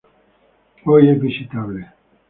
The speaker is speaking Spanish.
Hoy es visitable.